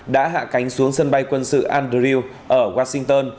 đã hạ cánh xuống sân bay quân sự andrew ở washington